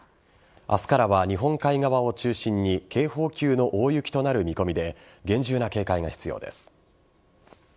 あすからは日本海側を中心に、警報級の大雪となる見込みで、厳重な警戒が必要です。